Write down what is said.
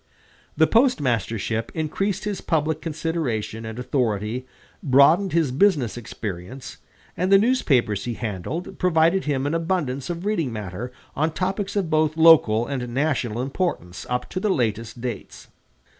The postmastership increased his public consideration and authority, broadened his business experience, and the newspapers he handled provided him an abundance of reading matter on topics of both local and national importance up to the latest dates.